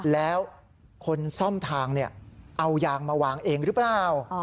แล้วคนซ่อมทางเอายางมาวางเองหรือเปล่า